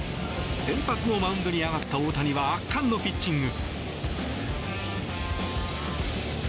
先発のマウンドに上がった大谷は圧巻のピッチング。